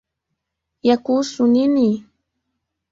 Yakuhusu nini?